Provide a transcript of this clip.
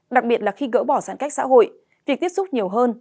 đặc biệt là khi gỡ bỏ giãn cách xã hội việc tiếp xúc nhiều hơn